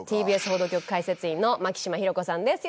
ＴＢＳ報道局解説委員の牧嶋博子さんです